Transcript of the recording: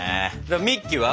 ミッキーは？